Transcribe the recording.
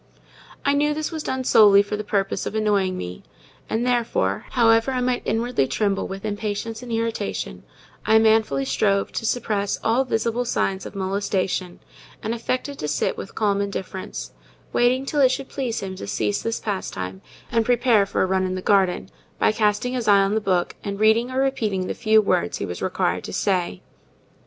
I knew this was done solely for the purpose of annoying me; and, therefore, however I might inwardly tremble with impatience and irritation, I manfully strove to suppress all visible signs of molestation, and affected to sit with calm indifference, waiting till it should please him to cease this pastime, and prepare for a run in the garden, by casting his eye on the book and reading or repeating the few words he was required to say.